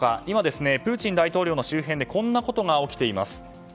今、プーチン大統領の周辺でこんなことが起きています。